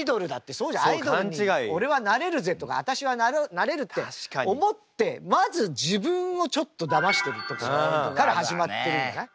「アイドルに俺はなれるぜ」とか「あたしはなれる」って思ってまず自分をちょっとだましてるとこから始まってるじゃない？